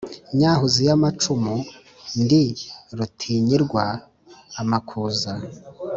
Nyahuzi y’amacumu ndi rutinyirwa amakuza,